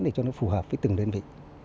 để cho nó phù hợp với từng đơn vị